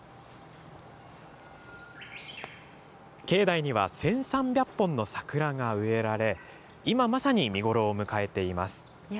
境内には１３００本の桜が植えられ、今まさに見頃を迎えています。